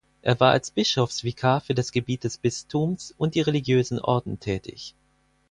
Er war als Bischofsvikar für das Gebiet des Bistums und die religiösen Orden tätig.